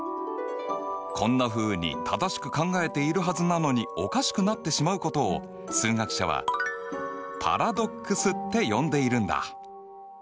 こんなふうに正しく考えているはずなのにおかしくなってしまうことを数学者はパラドックスって呼んでいるんだ。